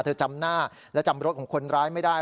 จำหน้าและจำรถของคนร้ายไม่ได้